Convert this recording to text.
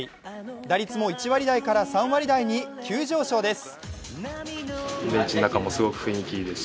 打率も１割台から３割台に急上昇です。